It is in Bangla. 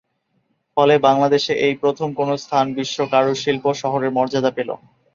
ফলে বাংলাদেশে এই প্রথম কোনো স্থান বিশ্ব কারুশিল্প শহরের মর্যাদা পেল।